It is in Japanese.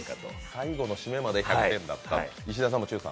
最後の締めまで１００点だったと。